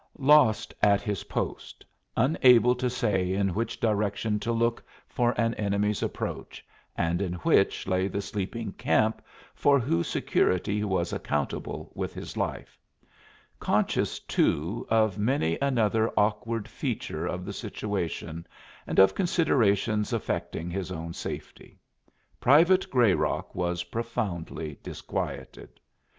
Lost at his post unable to say in which direction to look for an enemy's approach, and in which lay the sleeping camp for whose security he was accountable with his life conscious, too, of many another awkward feature of the situation and of considerations affecting his own safety, Private Grayrock was profoundly disquieted.